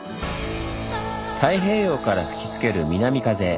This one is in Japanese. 太平洋から吹きつける南風。